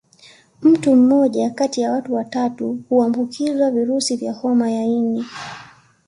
Mtu mmoja kati ya watu watatu huambukizwa virusi vya homa ya ini